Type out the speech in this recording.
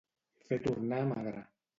Fer tornar magre.